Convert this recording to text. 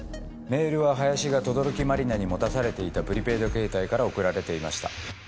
メールは林が等々力茉莉奈に持たされていたプリペイドケータイから送られていました。